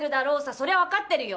そりゃ分かってるよ